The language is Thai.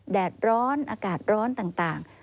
แดดร้อนอากาศร้อนต่าง